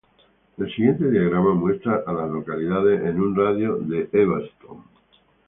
El siguiente diagrama muestra a las localidades en un radio de de Evanston.